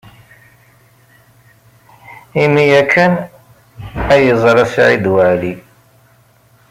Imi-a kan ay yeẓra Saɛid Waɛli.